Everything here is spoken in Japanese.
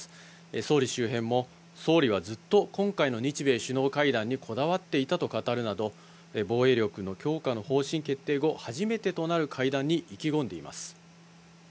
総理周辺も、総理はずっと今回の日米首脳会談にこだわっていたと語るなど、防衛力の強化の方針決定後、初めてとなる会談に意気込んでいます。